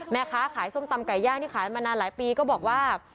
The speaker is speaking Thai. แม่ค้าขายส้มตำไก่ย่างที่ขายมานานหลายปีก็บอกว่า